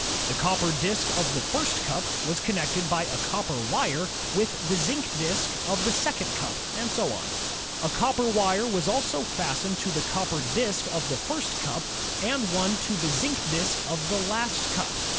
The copper disk of the first cup was connected by a copper wire with the zinc disk of the second cup, and so on. A copper wire batteky: Z, zinc piates; C, copper PIATES was also fastened to the copper disk of the first cup and one to the zinc disk of the last cup.